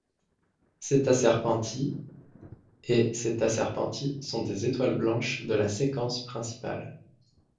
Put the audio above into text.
Theta Serpentis et Theta Serpentis sont des étoiles blanches de la séquence principale.